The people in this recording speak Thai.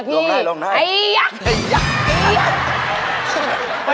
ด้วยค่ะ